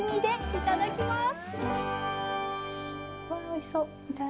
いただきます。